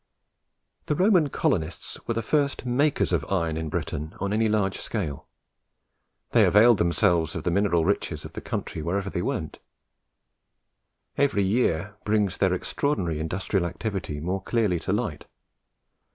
The Roman colonists were the first makers of iron in Britain on any large scale. They availed themselves of the mineral riches of the country wherever they went. Every year brings their extraordinary industrial activity more clearly to light.